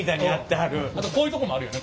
あとこういうとこもあるよね